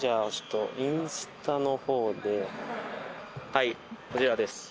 はいこちらです。